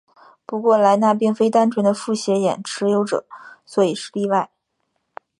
不过莱纳并非单纯的复写眼持有者所以是例外。